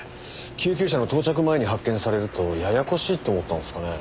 救急車の到着前に発見されるとややこしいと思ったんですかね？